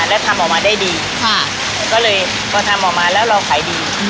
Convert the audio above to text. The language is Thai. แล้วทำออกมาได้ดีค่ะก็เลยพอทำออกมาแล้วเราขายดี